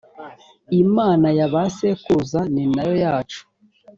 imana ya ba sekuruza ninayo yacu.